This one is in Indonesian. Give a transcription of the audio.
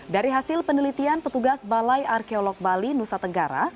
dari hasil penelitian petugas balai arkeolog bali nusa tenggara